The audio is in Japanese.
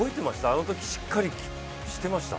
あのときしっかりしてました？